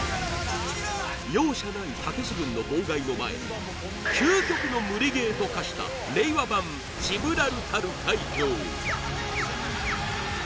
容赦ないたけし軍の妨害の前に究極の無理ゲーと化した令和版・ジブラルタル海峡